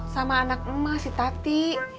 sama anak rumah si tati